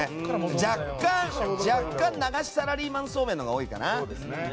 若干、流しサラリーマンそうめんのほうが多いかな。